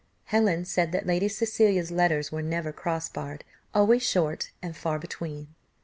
Helen said that Lady Cecilia's letters were never cross barred, always short and far between.